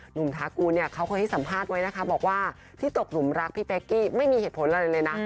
ทากูลเนี่ยเขาเคยให้สัมภาษณ์ไว้นะคะบอกว่าที่ตกหนุ่มรักพี่เป๊กกี้ไม่มีเหตุผลอะไรเลยนะ